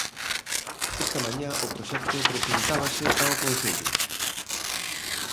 Esta mañá o proxecto presentábase ao Concello.